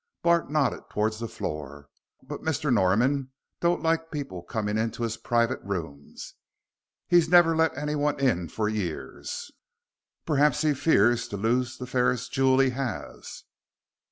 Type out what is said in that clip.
Bart nodded towards the floor. "But Mr. Norman don't like people coming into his private rooms. He's never let in anyone for years." "Perhaps he fears to lose the fairest jewel he has."